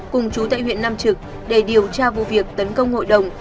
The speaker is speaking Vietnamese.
cùng chú tại huyện nam trực để điều tra vụ việc tấn công hội đồng